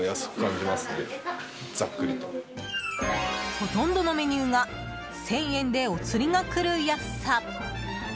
ほとんどのメニューが１０００円でお釣りがくる安さ。